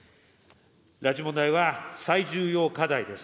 拉致問題は最重要課題です。